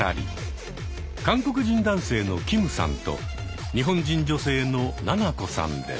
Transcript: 韓国人男性のキムさんと日本人女性のななこさんです。